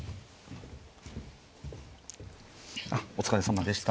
お疲れさまでした。